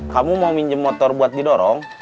kamu mau minjem motor buat didorong